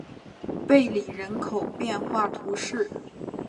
贝里人口变化图示